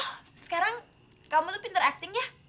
oh sekarang kamu tuh pinter acting ya